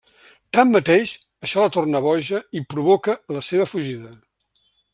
Tanmateix, això la torna boja i provoca la seva fugida.